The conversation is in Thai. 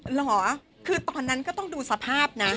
เหรอคือตอนนั้นก็ต้องดูสภาพนะ